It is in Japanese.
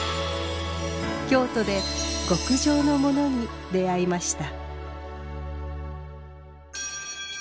京都で極上のモノに出会いました。